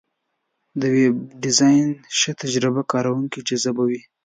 د ویب ډیزاین ښه تجربه کارونکي جذبوي.